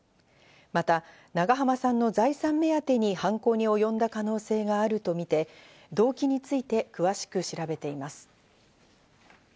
また長濱さんの財産目当てに犯行におよんだ可能性があるとみて動機について詳しく調べています。